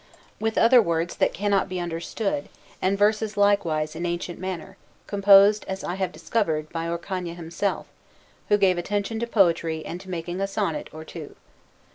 with other words that cannot be understood, and verses likewise in ancient manner, composed, as I have discovered, by Orcagna himself, who gave attention to poetry and to making a sonnet or two.